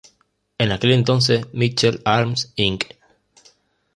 En aquel entonces Mitchell Arms, Inc.